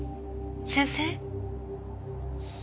先生？